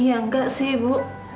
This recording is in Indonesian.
iya nggak sih bu